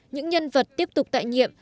những nhân vật tiếp tục tại nhiệm